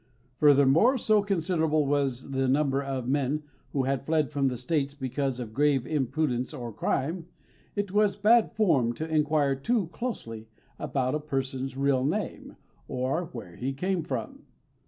Furthermore, so considerable was the number of men who had fled from the States because of grave imprudence or crime, it was bad form to inquire too closely about a person's real name or where he came from.